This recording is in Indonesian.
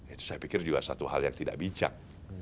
itu saya pikir juga satu hal yang tidak bijak